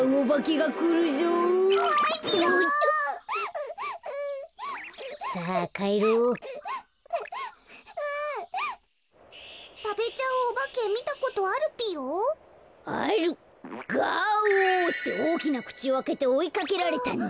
「ガオ！」っておおきなくちをあけておいかけられたんだ。